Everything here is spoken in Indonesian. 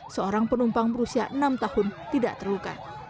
seorang penumpang berusia enam tahun tidak terluka